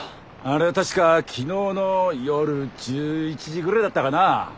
あれは確か昨日の夜１１時ぐらいだったかな。